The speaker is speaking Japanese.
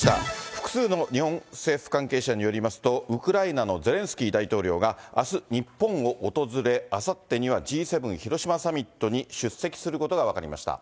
複数の日本政府関係者によりますと、ウクライナのゼレンスキー大統領があす、日本を訪れ、あさってにはＧ７広島サミットに出席することが分かりました。